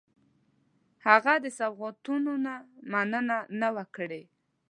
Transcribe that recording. هغه د سوغاتونو مننه نه وه کړې.